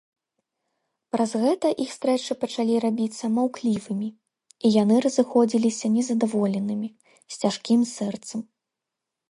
Праз гэта іх стрэчы пачалі рабіцца маўклівымі, і яны разыходзіліся нездаволенымі, з цяжкім сэрцам.